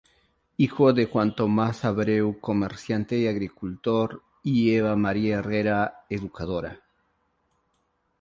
Hijo de Juan Tomás Abreu, comerciante y agricultor y Eva María Herrera, educadora.